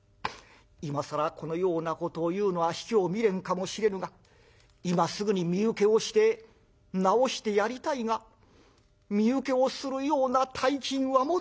今更このようなことを言うのは卑怯未練かもしれぬが今すぐに身請けをして治してやりたいが身請けをするような大金は持ってないのだ」。